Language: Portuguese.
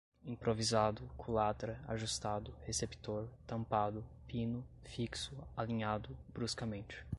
improvisado, culatra, ajustado, receptor, tampado, pino, fixo, alinhado, bruscamente